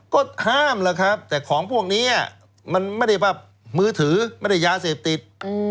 ก็ห้ามแล้วครับแต่ของพวกนี้มันไม่ได้ว่ามือถือไม่ได้ยาเสพติด